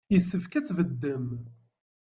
Yessefk ad tbeddem.